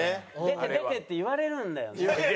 「出て出て」って言われるんだよね。